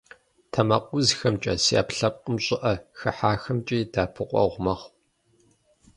Тэмакъыузхэмкӏэ, зи ӏэпкълъэпкъым щӏыӏэ хыхьахэмкӏи дэӏэпыкъуэгъу мэхъу.